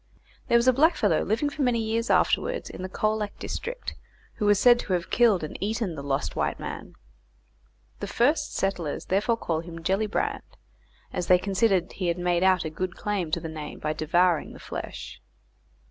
There was a blackfellow living for many years afterwards in the Colac district who was said to have killed and eaten the lost white man; the first settlers therefore call him Gellibrand, as they considered he had made out a good claim to the name by devouring the flesh.